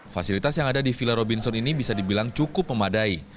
fasilitas yang ada di villa robinson ini bisa dibilang cukup memadai